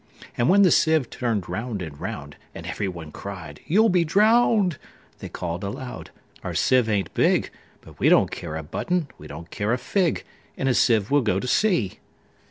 And when the sieve turn'd round and round, And every one cried, "You 'll be drown'd!"They call'd aloud, "Our sieve ain't big:But we don't care a button; we don't care a fig:In a sieve we 'll go to sea!"